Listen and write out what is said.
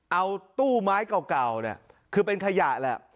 เอาตู้ไม้เก่าเนี่ยคือเป็นขยะแหละ